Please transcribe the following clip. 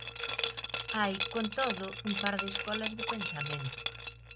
Hai, con todo, un par de escolas de pensamento.